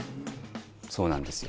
そうなんですよ